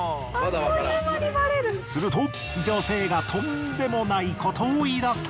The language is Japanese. すると女性がとんでもないことを言い出した。